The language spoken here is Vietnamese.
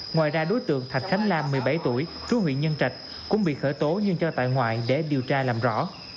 ngoài ra đối tượng thạch khánh lam một mươi bảy tuổi trú huyện nhân trạch cũng bị khởi tố nhưng cho tại ngoài để điều tra làm rõ